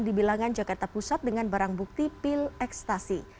di bilangan jakarta pusat dengan barang bukti pil ekstasi